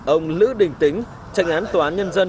ông lữ đình tính tranh án tòa án nhân dân